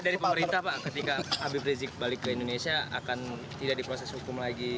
dari pemerintah pak ketika habib rizik balik ke indonesia akan tidak diproses hukum lagi